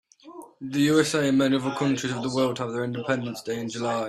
The USA and many other countries of the world have their independence day in July.